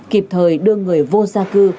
kịp thời đưa người vô gia cư